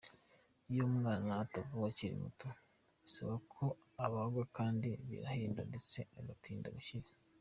Iyo umwana atavuwe akiri muto bisaba ko abagwa kandi birahenda ndetse agatinda gukira.